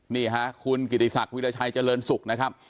นี่ค่ะคุณกิติศักดิราชัยเจริญสุขนะครับ